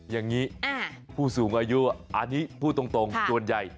อย่างนี้ผู้สูงอายุอันนี้พูดตรงส่วนใหญ่